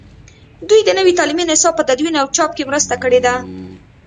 دوی د نوي تعلیمي نصاب په تدوین او چاپ کې مرسته کړې ده.